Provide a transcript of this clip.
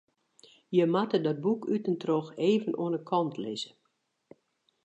Je moatte dat boek út en troch even oan de kant lizze.